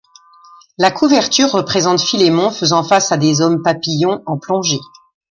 La couverture représente Philémon faisant face à des hommes-papillons en plongée.